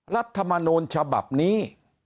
รัฐมนูลฉบับนี้